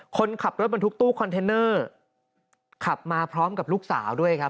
คนขับรถบรรทุกตู้คอนเทนเนอร์ขับมาพร้อมกับลูกสาวด้วยครับ